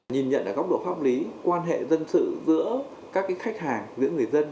nhìn nhận ở góc độ pháp lý quan hệ dân sự giữa các khách hàng giữa người dân